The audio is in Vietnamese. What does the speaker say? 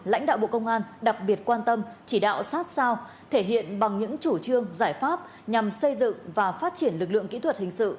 lãnh đạo bộ công an đặc biệt quan tâm chỉ đạo sát sao thể hiện bằng những chủ trương giải pháp nhằm xây dựng và phát triển lực lượng kỹ thuật hình sự